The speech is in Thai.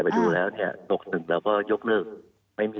ก็แล้วแต่นะครับ